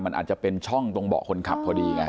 มันอาจจะเป็นช่องตรงเบาะคนขับพอดีไง